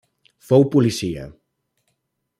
Fou policia.